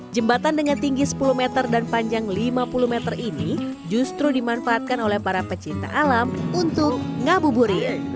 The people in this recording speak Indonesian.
jembatan dengan tinggi sepuluh meter dan panjang lima puluh meter ini justru dimanfaatkan oleh para pecinta alam untuk ngabuburit